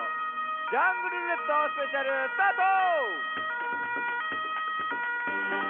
「ジャングルるーれっとスペシャル」スタート！